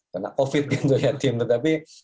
karena covid gitu ya tim tapi